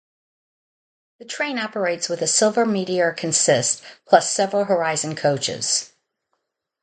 The train operates with a "Silver Meteor" consist plus several Horizon coaches.